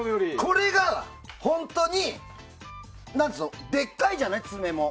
これが本当にでっかいじゃない爪も。